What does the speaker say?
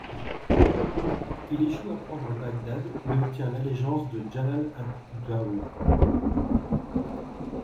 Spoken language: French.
Il échoue à prendre Bagdad mais obtient l'allégeance de Jalâl ad-Dawla.